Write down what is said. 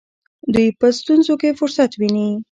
دوی په ستونزو کې فرصت ویني.